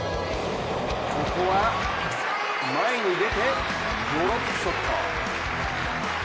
ここは前に出てドロップショット。